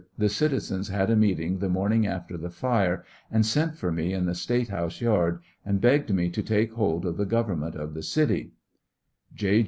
The citizens had a meeting the morning after the fire, and sent for me in the State house yard, and beg ged me to take hold of the sovernment of the city ^ J.